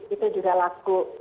itu juga laku